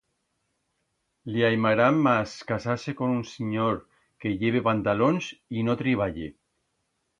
Li aimará mas casar-se con un sinyor que lleve pantalons, y no triballe